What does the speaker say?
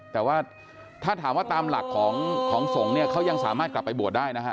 แต่ว่าถ้าถามว่าตามหลักของสงฆ์เนี่ยเขายังสามารถกลับไปบวชได้นะฮะ